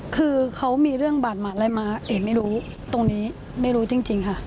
คือเขามีเรื่องบาดหมาดอะไรมาเอ๋ไม่รู้ตรงนี้ไม่รู้จริงค่ะ